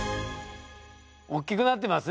おっきくなってますね。